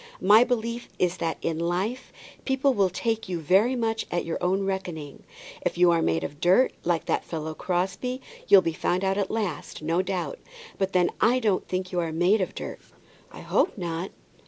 My belief is that in life people will take you very much at your own reckoning. If you are made of dirt, like that fellow Crosbie, you'll be found out at last, no doubt. But then I don't think you are made of dirt." "I hope not."